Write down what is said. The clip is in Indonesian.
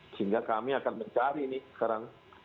sehingga kami akan mencari nih sekarang